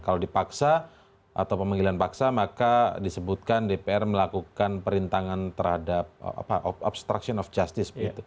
kalau dipaksa atau pemanggilan paksa maka disebutkan dpr melakukan perintangan terhadap obstruction of justice